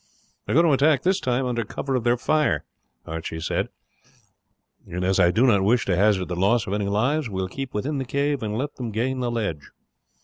"They are going to attack this time under cover of their fire," Archie said, "and as I do not wish to hazard the loss of any lives, we will keep within the cave and let them gain the ledge.